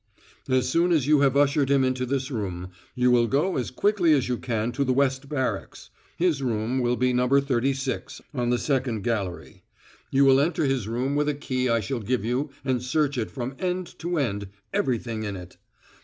"As soon as you have ushered him into this room, you will go as quickly as you can to the West Barracks. His room will be No. 36, on the second gallery. You will enter his room with a key I shall give you and search it from end to end everything in it.